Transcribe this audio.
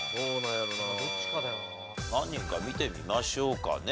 何人か見てみましょうかね。